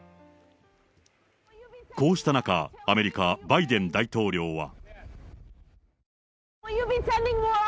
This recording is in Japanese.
こうした中、アメリカ、バイデン大統領は。